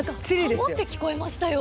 何かハモって聞こえましたよ。